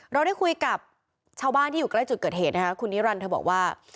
เราได้คุยกับชาวบ้านที่อยู่ใกล้จุดเกิดเหตุนะคะคุณนิรันดิเธอบอกว่า